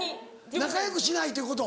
仲良くしないということ？